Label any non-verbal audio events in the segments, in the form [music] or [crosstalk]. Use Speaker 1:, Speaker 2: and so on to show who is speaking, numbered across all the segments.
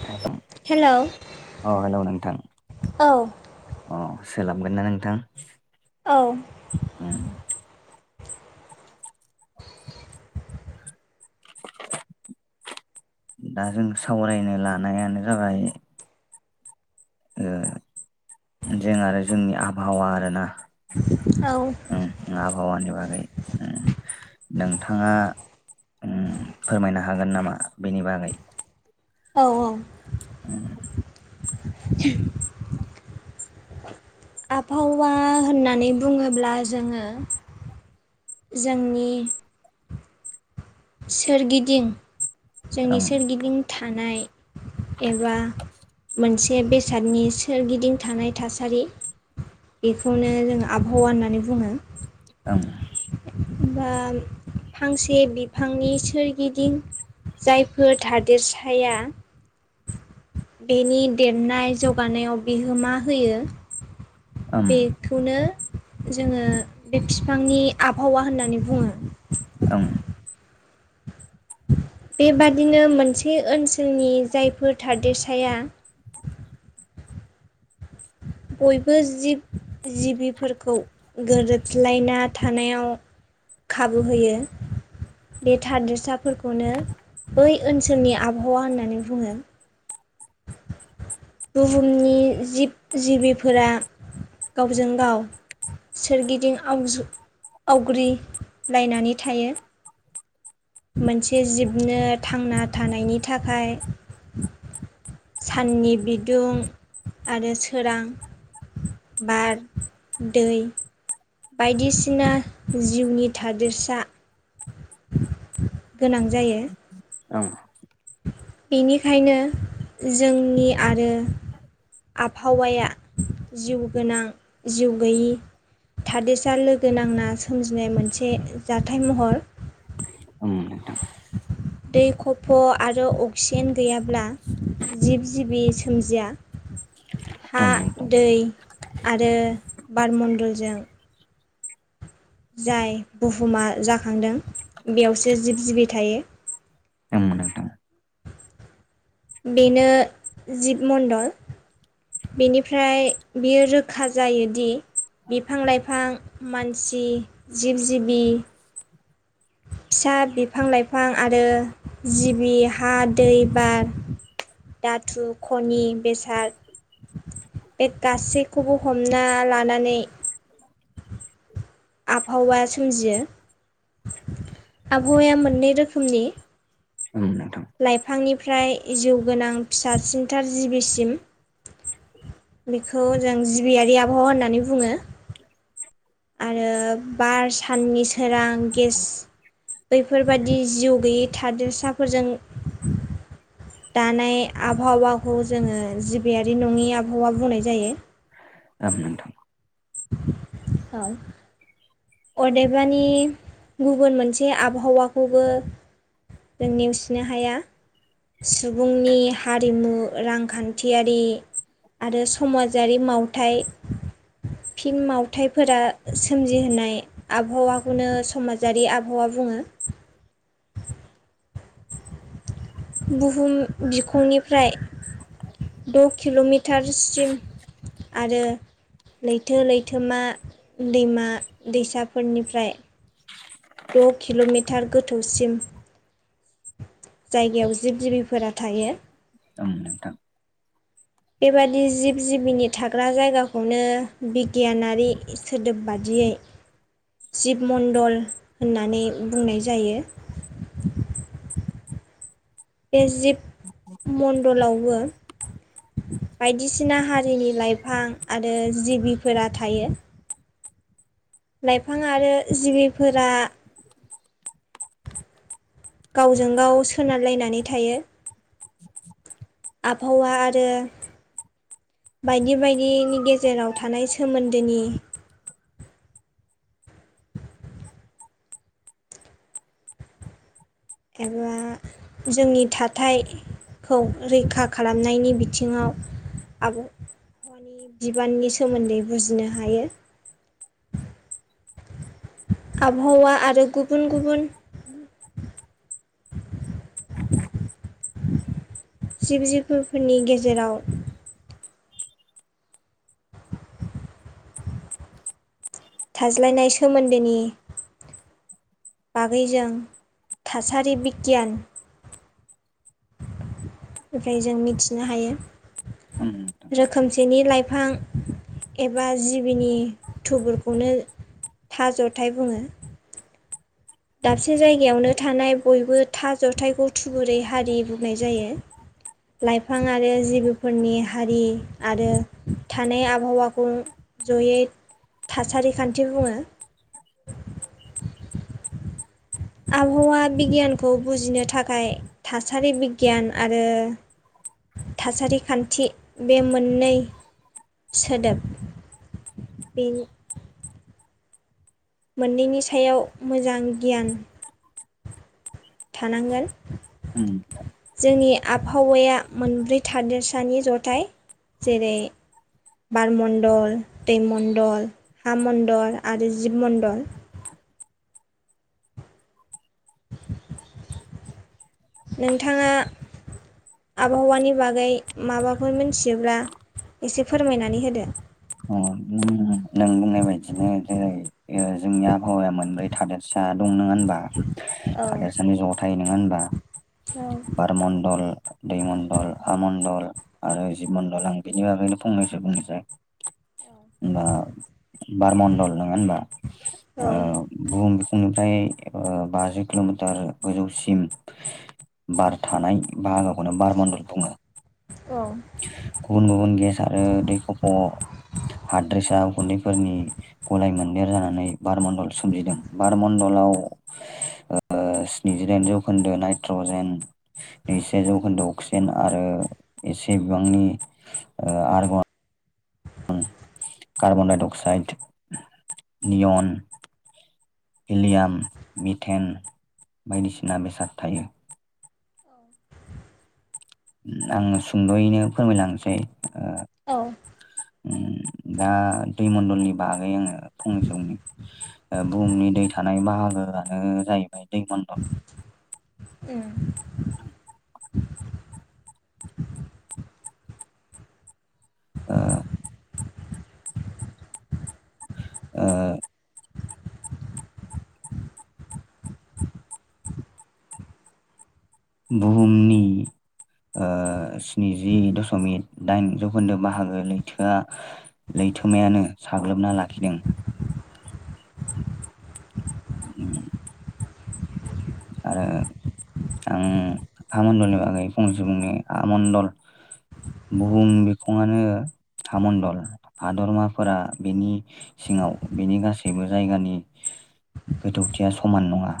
Speaker 1: [unintelligible]
Speaker 2: हेल' औ
Speaker 1: अ हेलौ नोंथां
Speaker 2: औ
Speaker 1: अ सोलाबगोन ना नोंथां
Speaker 2: औ
Speaker 1: उम दा जों सावरायनो लानायानो जाबाय जों आरो जोंनि आबहावा आरोना
Speaker 2: औ
Speaker 1: आबहावानि बागै नोंथाङा फोरमायनो हागोन नामा बेनि बागै
Speaker 2: औ औ
Speaker 1: उम
Speaker 2: जि आबहावा होननानै बुङोब्ला जोङो जोंनि सोरगिदिं जोंनि
Speaker 1: ओं
Speaker 2: सोरगिदिं थानाय एबा मोनसे बेसादनि सोरगिदिं थानाय थासारि बेखौनो जोङो आबहावा होननानै बुङो
Speaker 1: औ
Speaker 2: बा फांसे बिफांनि सोरगिदिं जायफोर थादेरसाया बेनि देरनाय जौगानायाव बिहोमा होयो।
Speaker 1: ओं
Speaker 2: बेखौनो। जोङो बे बिफांनि आबहावा होननानै बुङो।
Speaker 1: ओं
Speaker 2: बेबादिनो मोनसे ओनसोलनि जायफोर थादेरसाया। बयबो जिब जिबिफोरखौ गोरोब। ज्लायना थानायाव खाबु होयो। बे थादेरसाफोरखौनो बै ओनसोलनि आबहावा होननानै बुङो। बुहुमनि जिब जिबिफोरा गावजों गाव। सोरगिदिं आवजु आवग्रिलायनानै थायो। मोनसे जिबनो थांना थानायनि थाखाय। साननि बि। दुं आरो सोरां बार दै। बायदिसिना जिउनि थादेरसा। गोनां जायो।
Speaker 1: ओं।
Speaker 2: बेनिखायनो जोंनि आरो। आबहावाया जिउ गोनां जिउ गैयि। थादेसाआ लोगो नांना सोमजिनाय मोनसे जाथाय महर। दै खफ' आरो अक्सिजेन गैयाब्ला। जिब जिबि सोमजिया। हा
Speaker 1: ओं नोंथां
Speaker 2: दै आरो बार मण्डलजों। जाय बुहुमा जाखांदों बेयावसो जिब जिबि थायो।
Speaker 1: ओं नोंथां
Speaker 2: बेनो जिब मण्डल। बेनिफ्राय बियो रोखा जायोदि। बिफां-लाइफां मानसि जिब जिबि।
Speaker 1: [inaudible]
Speaker 2: फिसा बिफां-लाइफां आरो जिबि हा दै बार। दातु खनि बेसाद। बे गासैखौबो हमना लानानै। आबहावा सोमजियो। आबहावाया मोननै रोखोमनि।
Speaker 1: औ नोंथां।
Speaker 2: फ्राय जिउ गोनां फिसा सिनथार जिबिसिम। बेखौ जों जिबियारि आबहावा होननानै बुङो। आरो बार साननि सोरां गेस। बेफोरबादि जिउ गैयै थादेरसाफोरजों। दानाय आबहावाखौ जोङो जिबियारि नङि आबहावा बुंनाय जायो।
Speaker 1: औ नोंथां।
Speaker 2: औ। अदेबानि गुबुन मोनसे आबहावाखौबो। जों नेवसिनो हाया। सुबुंनि हारिमु रांखान्थियारि। आरो समाजारि मावथाय। फिन मावथायाइफोरा सोमजिहोनाय आबहावाखौनो समाजारि आबहावा बुङो।
Speaker 1: [inaudible]
Speaker 2: बुहुम बिखंनिफ्राय। द' किल'मिटारसिम आरो। लैथो लैथोमा दैमा दैसाफोरनिफ्राय। द' किल'मिटार गोथौसिम। जायगायाव जिब जिबिफोरा थायो।
Speaker 1: ओं नोंथां।
Speaker 2: बेबादि जिब जिबिनि थाग्रा जायगाखौनो बिगियानारि सोदोब बादि। जिबमण्डल होननानै बुंनाय जायो।
Speaker 1: [inaudible]
Speaker 2: बे जिब मणडलावबो बायदिसिना हारिनि लाइफां आरो जिबिफोरा थायो। लाइफां आरो जिबिफोरा गावजों गाव सोनारलायनानै थायो। आबहावा आरो बायदि बायदिनि गेजेराव थानाय सोमोन्दोनि एबा जोंनि थाथाय खौ रैखा खालामनायनि बिथिङाव आब हवानि बिबाननि सोमोन्दै बुजिनो हायो।
Speaker 1: [inaudible]
Speaker 2: आबहावा आरो गुबुन गुबुन जिब जिबफोरनि गेजेराव थाज्लायनाय सोमोन्दोनि बागैजों थासारि बिगियान। फ्राय जों मिथिनो हायो
Speaker 1: ओं नोंथां
Speaker 2: रोखोमसेनि लाइफ फां। एबा जिबिनि थुबुरखौनो थाज'थाय बुङो। दाबसे जायगायावनो थानाय बयबो था जथायखौ थुबुरै हारि बुंनाय जायो। लाइफां आरो जिेबोफोरनि हारि आरो थानाय आबहावाखौ जयै थासारि खान्थि बुङो।
Speaker 1: [inaudible]
Speaker 2: आबहावा बिगियानखौ बुजिनो थाखाय थासारि बिगियान आरो थासारि खान्थि बे मोननै सोदोब बेनि। मोननैनि सायाव मोजां गियान थानांगोन।
Speaker 1: उम।
Speaker 2: जोंनि आबहावाया मोनब्रै थादेरसानि जथाय जेरै बार मण्डल दैमण्डल हा मण्डल आरो जिब मण्डल [inaudible] नोंथाङा आबहावानि बागै माबाफोर मिथियोब्ला एसे फोरमायनानै होदो।
Speaker 1: औ बुनो। नों बुंनाय बायदिनो जेरै ओ जोंनि आबहावाया मोनब्रै थादेरसा दं नङा होनबा।
Speaker 2: औ
Speaker 1: थादेरसानि ज'थाय नङा होनबा
Speaker 2: औ
Speaker 1: बार मणडल। दैमण्डल हा मण्डल आरो जिब मण्डल आं बेनि बागैनो फंनैसो बुंनोसै।
Speaker 2: औ।
Speaker 1: होनबा बार मण्डल नङा होनबा
Speaker 2: औ
Speaker 1: बुहुम बिखुं। फ्राय ओ बाजि किल'मिटार गोजौसिम। बार थानाय बाहागोखौनो बार मण्डल बुङो।
Speaker 2: औ।
Speaker 1: गुबुन गुबुन गेस आरो दै खफ' फोरनि गलाय मोनदेर जानानै बारमण्डल सोमजिदों बारण्डलाव ओ ओ स्निजिदाइन जौखोन्दो नाइट्रजेन नैजिसे जौखोन्दो अक्सिजेन आरो एसे बिबांनि ओ आरग कार्बनडाइ अक्साइड नियन हिलियाम मिटेन बायदिसिना बेसाद थायो।
Speaker 2: औ
Speaker 1: आङो सुंद'यैनो फोरमायलांसै ओ
Speaker 2: औ
Speaker 1: ओम दा दैमण्डलनि बागै आङो फंनैसोनि बु ओ बुहुमनि दै थानाय बाहागोआनो जाहैबाय दैमणडल
Speaker 2: उम
Speaker 1: ओ ओ बुहुमनि ओ स्निजि दशमिक दाइन जौखोन्दो बाहागो लैथोआ लै थोमायानो साग्लोबना लाखिदों [unintelligible] आरो आं हा मणडलनि बागै फंनसे बुंनि हामणडल बुहुम बिखङानो हामन्डल हादरमाफोरा बेनि सिङाव बेनि गासैबो जायगानि गोथौथिया समान नङा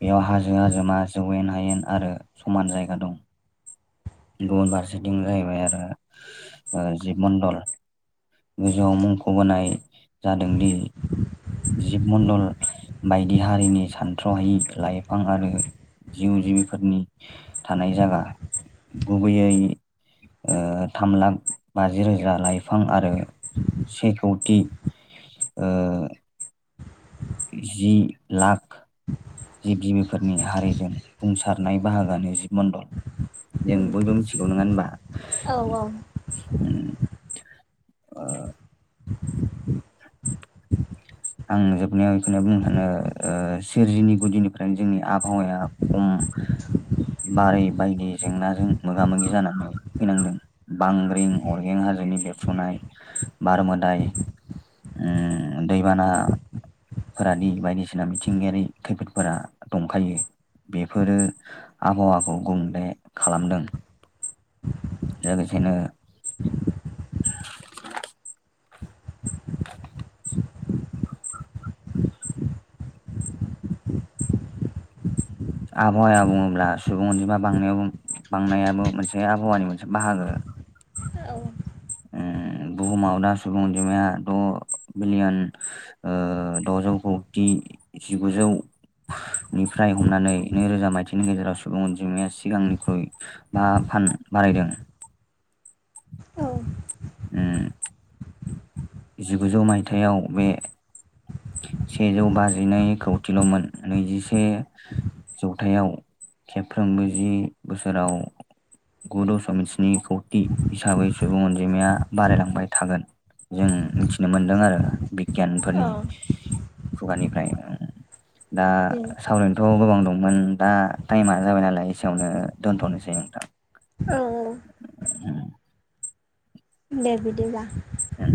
Speaker 1: बेयाव हाजो हाजोमा जौवेन हायेन आरो समान जायगा दं गुबुन फारसेथिं जाहैबाय आरो जिब मडल गोजौआव मुंखौबोनाय जादोंदि जिब मडल बायदि हारिनि सान थ्रहायि लाइफां आरो जिउ जिबिफोरनि थानाय जागा गुबैयै ओ थाम लाख बाजि रोजा लाइफां आरो से कौथि ओ जि लाख जिब जिबिफोरनि हारिजों बुंसारनाय बाहागोआानो जिब मणडल जों बयबो मिथिगौ नङा होमबा
Speaker 2: औ औ
Speaker 1: ओ आं जोबनायाव बेखौ बुंनो सानो ओ सोरजिनि गुदिनिफ्रायनो जोंनि आबहावाया खम [inaudible] बारै बायदि जेंनाजों मोगा मोगि जानानै फैनांदों बांग्रिं अरगें हारि नि बेबफ्रुनाय बार मोदाय ओ दैबाना फोरादि बायदिसिना मिथिंगायारि खैफोदफोरा दंखायो बेफोरो आबहावाखौ गुंबुंले खालामदों जागासिनो आबहावाया बुङोब्ला सुबुं अनजिमा बांनायाव बांनायाबो मोनसे आबहावानि मोनसे बाहागो
Speaker 2: औ
Speaker 1: ओम बुहुमाव दा सुबुं अजिमाया द' बिलियन ओ द'जौ खौथि जिगुजौ निफ्राय हमनानै नैरोजा मायथनि गेजेराव सुबुं अनजिमाया सिगांनिख्रुइ बा फान बारायदों
Speaker 2: औ
Speaker 1: ओम जिगुजौ मायथायाइाव बे सेजौ बाजिनै खौथिल'मोन नैजिसे जौथायाव खेफ्रोमबो जि बोसोराव गु दशमिक स्नि कौति हिसाबै सुबुं अनजिमाया बारायलांबाय थागोन जों मिथिनो मोनदों आरो बिगियानफोरनि
Speaker 2: औ
Speaker 1: खुगानि दा
Speaker 2: उम
Speaker 1: सावरायनोथ' गोबां दं । मोन दा टाइमा जाबाय नालाय एसेयावनो दोनथ'नोसै नोंथां ।
Speaker 2: औ । दे बिदिबा ।
Speaker 1: उम